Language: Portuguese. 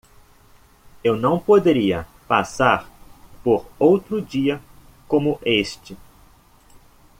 Eu não poderia passar por outro dia como este.